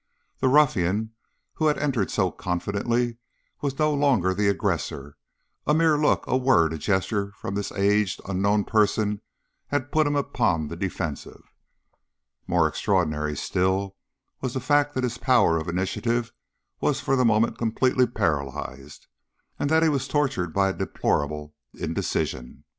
The ruffian, who had entered so confidently, was no longer the aggressor; a mere look, a word, a gesture from this aged, unknown person had put him upon the defensive. More extraordinary still was the fact that his power of initiative was for the moment completely paralyzed, and that he was tortured by a deplorable indecision.